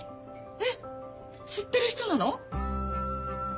えっ知ってる人なの？